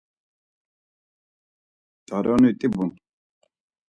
T̆aroni t̆ibun.